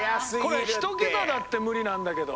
これ１桁だって無理なんだけど。